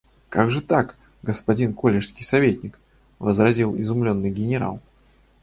– Как же так, господин коллежский советник? – возразил изумленный генерал.